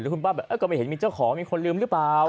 คุณป้าแบบก็ไม่เห็นมีเจ้าของมีคนลืมหรือเปล่า